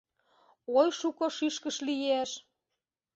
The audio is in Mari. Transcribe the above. Ой шуко шӱшкыш лиеш!